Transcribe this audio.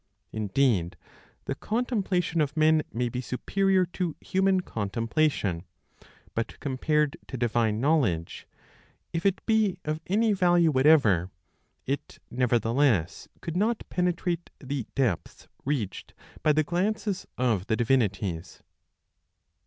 Indeed, the contemplation of men may be superior to human contemplation; but, compared to divine knowledge, if it be of any value whatever, it, nevertheless, could not penetrate the depths reached by the glances of the divinities.